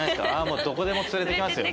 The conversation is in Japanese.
もうどこでも連れていきますよ。